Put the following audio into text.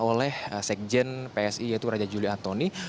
oleh sekjen psi yaitu raja juli antoni